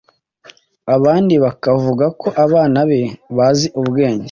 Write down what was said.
abandi bakavuga ko abana be bazi ubwenge